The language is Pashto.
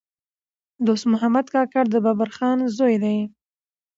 دوست محمد کاکړ د بابړخان زوی دﺉ.